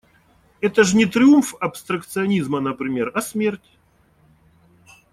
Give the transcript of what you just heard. Это ж не триумф абстракционизма, например, а смерть…